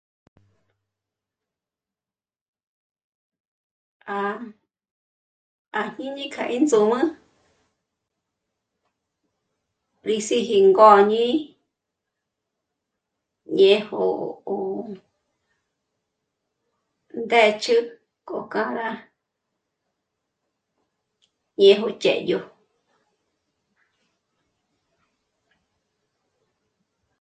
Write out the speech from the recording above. Àjníni k'a índzǔmü rí síji ngôñi, ñejo ndë̌chü go k'âra ñéjo ch'édyo